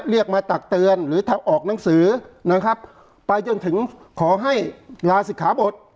เรียกมาตักเตือนหรือถ้าออกหนังสือนะครับไปจนถึงขอให้ลาศิกขาบท